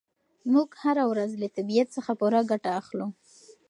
موږ هره ورځ له طبیعت څخه پوره ګټه اخلو.